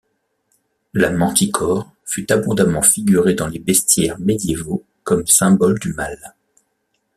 La manticore fut abondamment figurée dans les bestiaires médiévaux comme symbole du mal.